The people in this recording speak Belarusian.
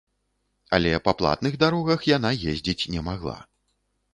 Але па платных дарогах яна ездзіць не магла.